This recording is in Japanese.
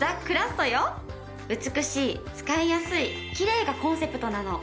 美しい使いやすいきれいがコンセプトなの。